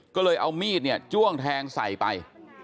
ก็เลยเอามีดเนี่ยจ้วงแทงใส่ไป